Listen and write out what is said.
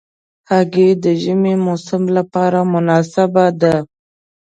هګۍ د ژمي موسم لپاره مناسبه ده.